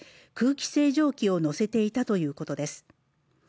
空気清浄機を乗せていたということです。